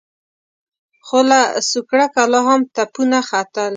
خو له سوکړکه لا هم تپونه ختل.